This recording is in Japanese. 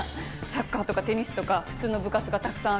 サッカーとかテニスとか普通の部活がたくさんあるのに。